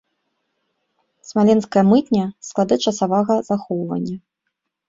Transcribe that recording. Смаленская мытня, склады часавага захоўвання.